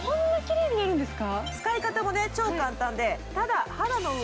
使い方も超簡単。